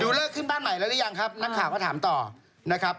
เลิกขึ้นบ้านใหม่แล้วหรือยังครับนักข่าวก็ถามต่อนะครับ